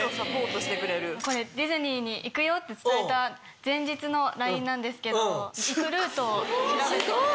これ「ディズニーに行くよ」って伝えた前日のＬＩＮＥなんですけど行くルートを調べてくれて。